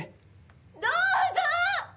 ・どうぞ！